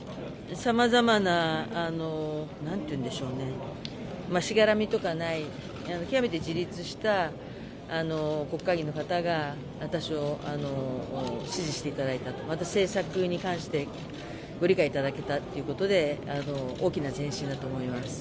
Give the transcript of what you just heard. さまざまなしがらみとかない極めて自立した国会議員の方が私を支持していただいた、また政策に関してご理解いただけたということで大きな前進だと思います。